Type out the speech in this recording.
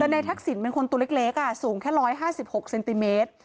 แต่นายทักษิณมันคนตูเล็กเล็กอ่ะสูงแค่ร้อยห้าสิบหกเซนติเมตร